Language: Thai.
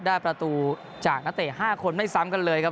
ได้ประตูจากนักเตะ๕คนไม่ซ้ำกันเลยครับ